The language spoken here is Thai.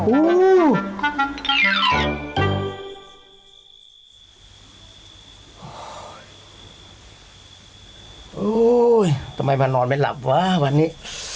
โอ้โหทำไมมานอนไม่หลับวะวันนี้